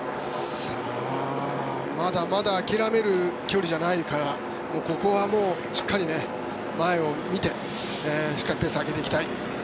まだまだ諦める距離じゃないからここはもうしっかり前を見てしっかりペースを上げていきたい。